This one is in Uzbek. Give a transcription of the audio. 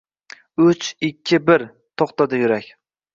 Uch… ikki… bir…To’xtadi yurak…